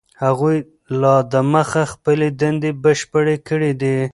هغوی لا دمخه خپلې دندې بشپړې کړي دي.